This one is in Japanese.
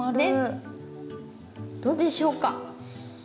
どうでしょうか？